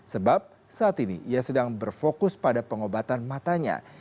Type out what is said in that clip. sebab saat ini ia sedang berfokus pada pengobatan matanya